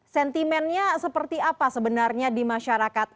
sentimennya seperti apa sebenarnya di masyarakat